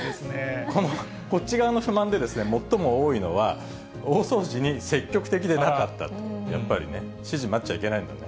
こっち側の人で最も多いのは、大掃除に積極的でなかったと、やっぱりね、指示待っちゃいけないんだね。